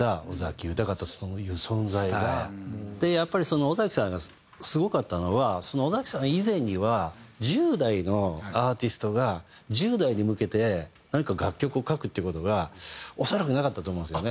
やっぱり尾崎さんがすごかったのは尾崎さん以前には１０代のアーティストが１０代に向けて何か楽曲を書くっていう事が恐らくなかったと思うんですよね。